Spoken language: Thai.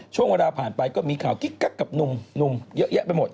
ช่วงเวลาผ่านไปก็มีข่าวกิ๊กกักกับหนุ่มเยอะแยะไปหมด